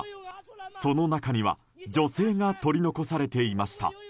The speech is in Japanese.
その中には女性が取り残されていました。